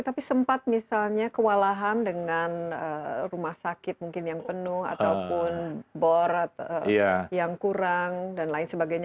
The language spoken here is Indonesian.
tapi sempat misalnya kewalahan dengan rumah sakit mungkin yang penuh ataupun bor yang kurang dan lain sebagainya